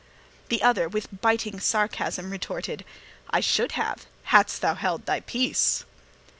The other, with biting sarcasm, retorted: "I should have hadst thou held thy peace."